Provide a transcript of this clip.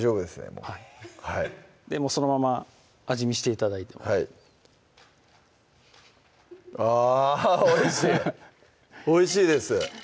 もうはいそのまま味見して頂いてもはいあぁおいしいおいしいです